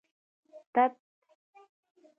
تت